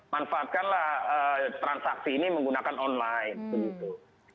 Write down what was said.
manfaatkanlah transaksi ini menggunakan online begitu